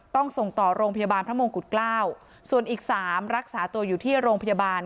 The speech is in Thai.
ต้องส่งต่อโรงพยาบาลพระมงกุฎเกล้าส่วนอีกสามรักษาตัวอยู่ที่โรงพยาบาล